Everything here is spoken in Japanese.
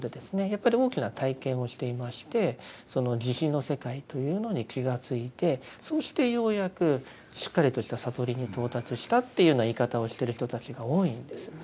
やっぱり大きな体験をしていましてその慈悲の世界というのに気が付いてそうしてようやくしっかりとした悟りに到達したっていうような言い方をしてる人たちが多いんです。